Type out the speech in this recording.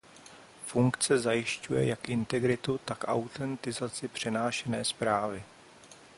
Funkce zajišťuje jak integritu tak autentizaci přenášené zprávy.